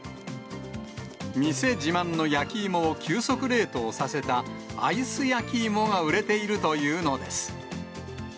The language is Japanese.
店自慢の焼き芋を急速冷凍させたアイス焼き芋が売れているというのです。